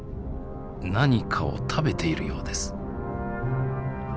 何かを食べているようです。